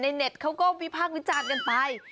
เน็ตเขาก็วิพากษ์วิจารณ์กันไป